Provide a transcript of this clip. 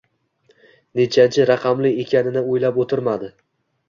Nechanchi raqamli ekanini o’ylab o’tirmadi.